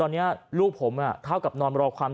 ก็ได้พลังเท่าไหร่ครับ